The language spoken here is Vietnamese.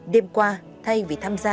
đêm qua thay vì tham gia